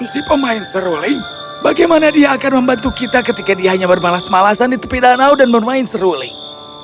si pemain seruling bagaimana dia akan membantu kita ketika dia hanya bermalas malasan di tepi danau dan bermain seruling